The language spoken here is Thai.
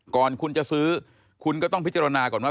ก่อนคุณจะซื้อคุณก็ต้องพิจารณาก่อนว่า